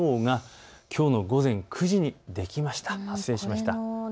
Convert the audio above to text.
台風１号がきょうの午前９時にできました。